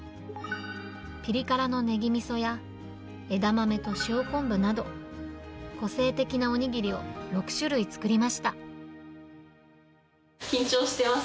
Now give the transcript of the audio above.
ピリ辛のネギみそや枝豆と塩昆布など、個性的なお握りを６種類作緊張しています。